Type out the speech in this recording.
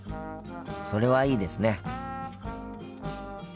それはいいですね。